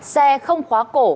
xe không khóa cổ